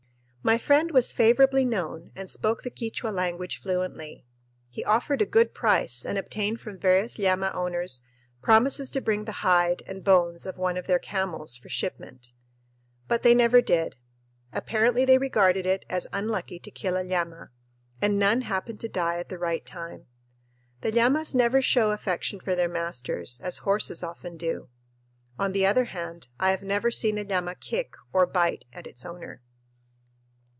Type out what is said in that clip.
My friend was favorably known and spoke the Quichua language fluently. He offered a good price and obtained from various llama owners promises to bring the hide and bones of one of their "camels" for shipment; but they never did. Apparently they regarded it as unlucky to kill a llama, and none happened to die at the right time. The llamas never show affection for their masters, as horses often do. On the other hand I have never seen a llama kick or bite at his owner.